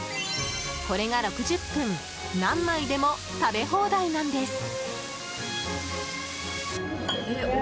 これが６０分何枚でも食べ放題なんです！